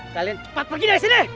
kalian cepat pergi dari sini